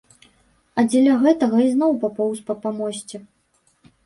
А дзеля гэтага ізноў папоўз па памосце.